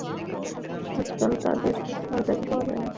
আজকাল তাঁহার আর দেখাই পাওয়া যায় না।